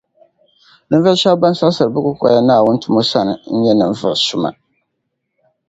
Ninvuɣu shεba ban siɣisiri bɛ kukoya Naawuni tumo sani n nyɛ ninvuɣu suma.